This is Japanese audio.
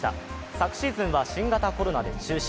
昨シーズンは新型コロナで中止。